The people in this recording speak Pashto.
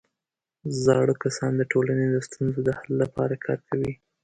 زاړه کسان د ټولنې د ستونزو د حل لپاره کار کوي